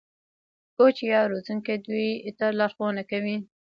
کوچ یا روزونکی دوی ته لارښوونه کوي.